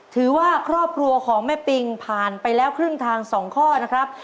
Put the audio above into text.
ถือว่าครอบครัวของแม่ปิงผ่านไปแล้วครึ่งทาง๒ข้อนะครับ